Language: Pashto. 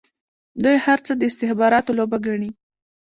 دوی هر څه د استخباراتو لوبه ګڼي.